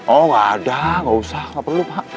oh gak ada gak usah gak perlu pak